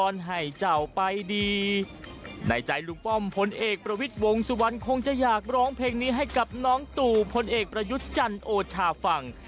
ในใจลุงป้อมพลเอกประวิทย์วงสุวรรณคงจะอยากร้องเพลงนี้ให้กับน้องตู่พลเอกประยุทธ์จันทร์โอชาฟัง